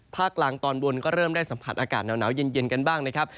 ภาคกลางตอนบนก็เริ่มได้สัมผัสอากาศหนาวเย็นกันบ้างนะครับ